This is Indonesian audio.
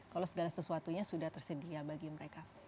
kalau segala sesuatunya sudah tersedia bagi mereka